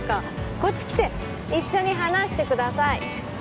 こっち来て一緒に話してください